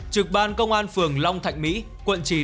trực ban công an phường long thạnh mỹ quận chín